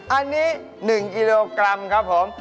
อันนี้๑กิโลกรัมครับผม